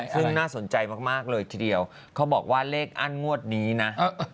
ซึ่งน่าสนใจมากเลยทีเดียวเขาบอกว่าเลขอั้นงวดนี้นะ